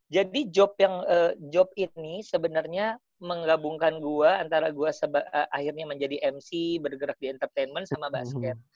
jadi job yang job ini sebenernya menggabungkan gue antara gue akhirnya menjadi mc bergerak di entertainment sama basket